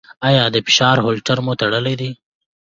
ایا د فشار هولټر مو تړلی دی؟